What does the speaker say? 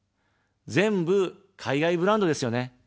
全部、海外ブランドですよね。